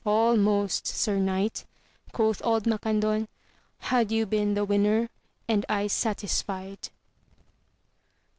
Almost, sir knight, quoth old Macandon, had you been the winner, and I satisfied.